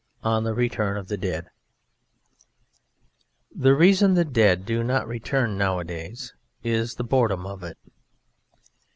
ON THE RETURN OF THE DEAD The reason the Dead do not return nowadays is the boredom of it.